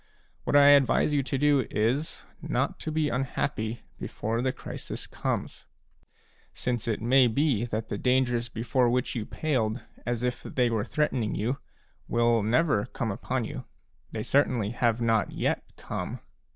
What I advise you to do is, not to be unhappy before the crisis comes; since it may be that the dangers before which you paled as if they were threatening you, will never come upon you ; they certainly have not yet come.